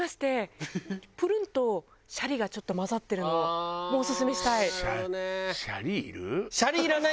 「プルン」と「シャリ」がちょっと混ざってるのもオススメしたい。